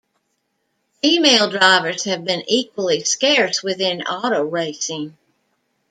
Female drivers have been equally scarce within auto racing.